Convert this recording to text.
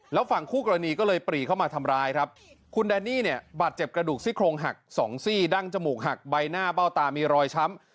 แล้วฝั่งคู่กรณีก็เลยปรีเข้ามาทำร้ายครับคุณแดนนี่เนี่ยบาดเจ็บกระดูกซี่โครงหักสองซี่ดั้งจมูกหักใบหน้าเบ้าตามีรอยช้ำ